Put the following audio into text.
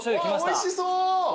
おいしそう。